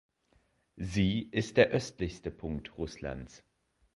Sie ist der östlichste Punkt Russlands.